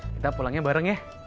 kita pulangnya bareng ya